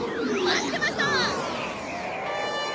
待ってました！